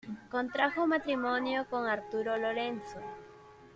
Contrajo matrimonio con Arturo Lorenzo.